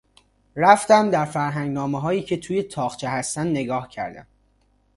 رفتم در فرهنگنامههایی که توی طاقچه هستند نگاه کردم.